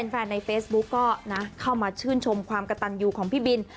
แฟนในเฟซบุ๊กก็นะเข้ามาชื่นชมความกระตันอยู่ของพี่บิน